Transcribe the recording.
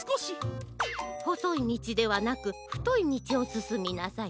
ほそいみちではなくふといみちをすすみなさい。